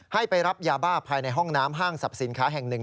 ให้ไปรับยาบ้าภายในห้องน้ำห้างสรรพสินค้าแห่งหนึ่ง